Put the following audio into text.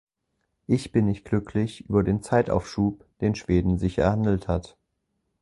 Ich bin nicht glücklich über den Zeitaufschub, den Schweden sich erhandelt hat.